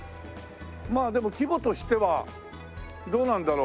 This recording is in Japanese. まあでも規模としてはどうなんだろう？